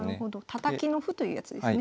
たたきの歩というやつですね。